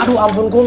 aduh ampun kum